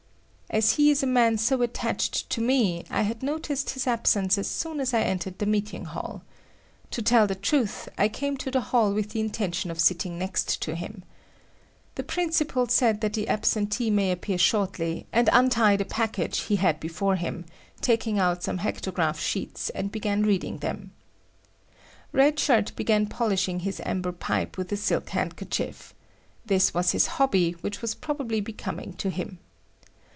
As he is a man so attached to me, I had noticed his absence as soon as I entered the meeting hall. To tell the truth, I came to the hall with the intention of sitting next to him. The principal said that the absentee may appear shortly, and untied a package he had before him, taking out some hectograph sheets and began reading them. Red Shirt began polishing his amber pipe with a silk handkerchief. This was his hobby, which was probably becoming to him.